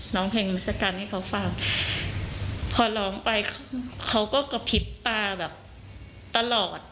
ร้องเพลงนาศกรรมให้เขาฟังพอร้องไปเขาก็กระพริบตาแบบตลอด